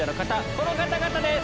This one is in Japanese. この方々です。